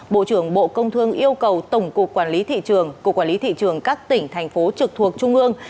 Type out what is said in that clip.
bộ trưởng bộ công thương yêu cầu tổng cục quản lý thị trường cục quản lý thị trường các tỉnh thành phố trực thuộc trung ương